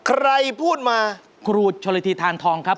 ใครพูดมาครูชนละทีทานทองครับ